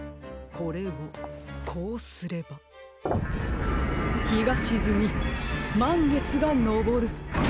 これをこうすれば日がしずみまんげつがのぼる。